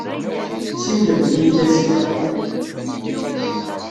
Siwlemt-iyi-d azekka.